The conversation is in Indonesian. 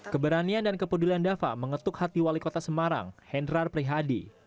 keberanian dan kepedulian dava mengetuk hati wali kota semarang hendrar prihadi